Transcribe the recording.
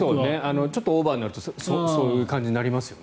ちょっとオーバーになるとそういう感じになりますよね。